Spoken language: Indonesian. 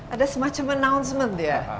ada semacam announcement ya